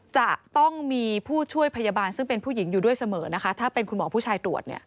จะต้องมีผู้ช่วยพยาบาลซึ่งเป็นผู้หญิงอยู่ด้วยเสมอนะคะถ้าเป็นคุณหมอผู้ชายตรวจเนี่ย